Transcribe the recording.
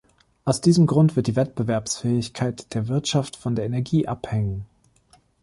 Aus diesem Grund wird die Wettbewerbsfähigkeit der Wirtschaft von der Energie abhängen.